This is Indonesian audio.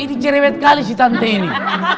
ini cerewet kali sih tante ini